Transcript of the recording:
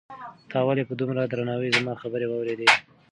تا ولې په دومره درناوي زما خبرې واورېدې؟